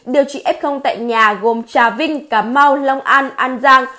điều trị ép không tại nhà gồm trà vinh cà mau long an an giang